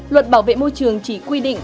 luật bảo vệ môi trường chỉ quy định